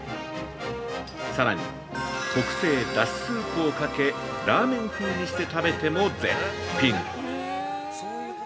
さらに「特製だしスープ」をかけ、ラーメン風にして食べても絶品！